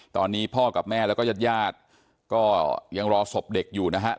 ตอนนี้พ่อกับแม่และญาติยัตยาก็ยังรอศพเด็กอยู่นะครับ